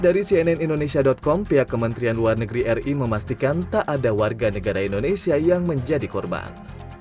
dari cnn indonesia com pihak kementerian luar negeri ri memastikan tak ada warga negara indonesia yang menjadi korban